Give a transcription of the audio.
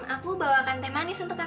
aku bawakan teh manis untuk yang